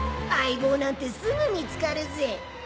相棒なんてすぐ見つかるぜ。